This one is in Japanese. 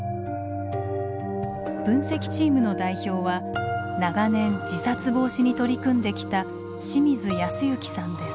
分析チームの代表は長年自殺防止に取り組んできた清水康之さんです。